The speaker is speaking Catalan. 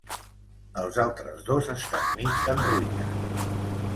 Els altres dos estan mig en ruïnes.